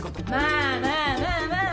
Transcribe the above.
まあまあまあまあ